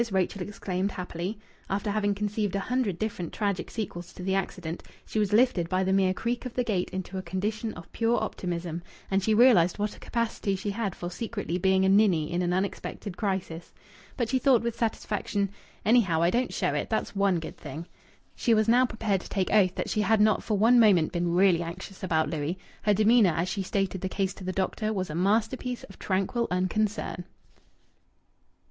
Rachel exclaimed happily. After having conceived a hundred different tragic sequels to the accident, she was lifted by the mere creak of the gate into a condition of pure optimism, and she realized what a capacity she had for secretly being a ninny in an unexpected crisis. But she thought with satisfaction: "Anyhow, I don't show it. That's one good thing!" She was now prepared to take oath that she had not for one moment been really anxious about Louis. Her demeanour, as she stated the case to the doctor, was a masterpiece of tranquil unconcern.